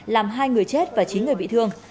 làm hai người chết và chín người bị thương